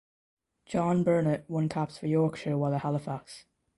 John Burnett won caps for Yorkshire while at Halifax.